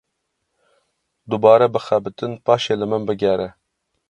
Dubare bixebitin paşê li min bigere.